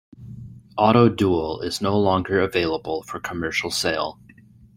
"Autoduel" is no longer available for commercial sale.